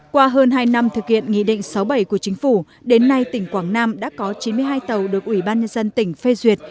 qua hơn hai năm thực hiện nghị định sáu bảy của chính phủ đến nay tỉnh quảng nam đã có chín mươi hai tàu được ủy ban nhân dân tỉnh phê duyệt